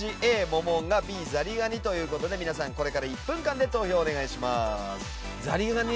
ＡモモンガＢザリガニという事で皆さんこれから１分間で投票をお願いします。